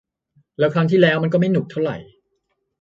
แล้วครั้งที่แล้วมันก็ไม่หนุกเท่าไหร่